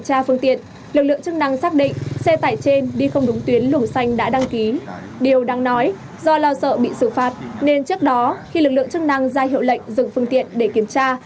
nên trước đó khi lực lượng chức năng ra hiệu lệnh dựng phương tiện để kiểm tra